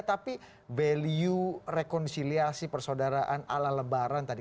tapi value rekonsiliasi persaudaraan ala lebaran tadi